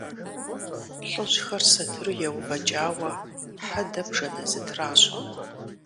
Лӏыжьхэр сатыру еувэкӏауэ хьэдэм жэназы тращӏэ.